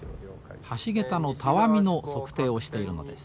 橋桁のたわみの測定をしているのです。